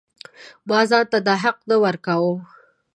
ما ځان ته دا حق نه ورکاوه.